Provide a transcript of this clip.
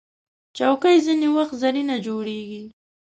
چوکۍ ځینې وخت زرینه جوړیږي.